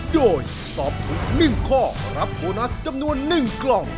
โดยตอบถูกหนึ่งข้อรับโบนัสจำนวนหนึ่งกล่อง